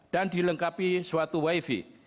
dan dilengkapi suatu wifi